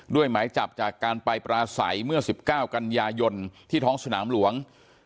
หมายจับจากการไปปราศัยเมื่อ๑๙กันยายนที่ท้องสนามหลวง